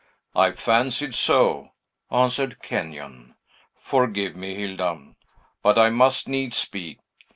"I fancied so," answered Kenyon. "Forgive me, Hilda; but I must needs speak.